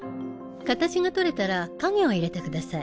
形が取れたら影を入れてください。